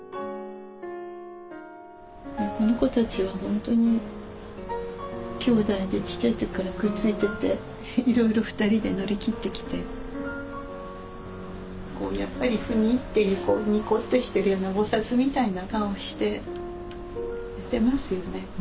この子たちは本当に兄弟でちっちゃい時からくっついてていろいろ２人で乗り切ってきてこうやっぱりフニッていうニコッとしてるような菩薩みたいな顔して寝てますよね。